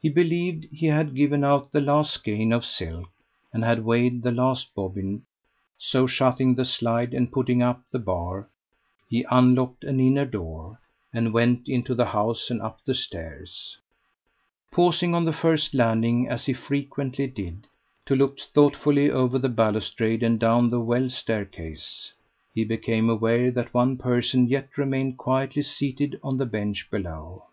He believed he had given out the last skein of silk, and had weighed the last bobbin, so shutting the slide, and putting up the bar, he unlocked an inner door, and went into the house and up the stairs. Pausing on the first landing, as he frequently did, to look thoughtfully over the balustrade and down the well staircase, he became aware that one person yet remained quietly seated on the bench below.